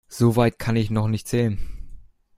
So weit kann ich noch nicht zählen.